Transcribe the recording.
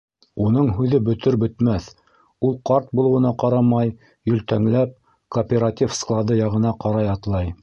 Уның һүҙе бөтөр-бөтмәҫ, ул, ҡарт булыуына ҡарамай йөлтәңләп, кооператив склады яғына ҡарай атлай.